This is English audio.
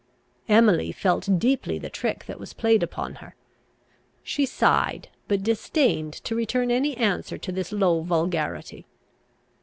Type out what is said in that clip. Emily felt deeply the trick that was played upon her. She sighed, but disdained to return any answer to this low vulgarity.